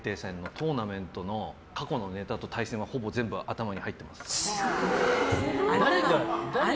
トーナメントの過去のネタと対戦はほぼ頭に入ってます。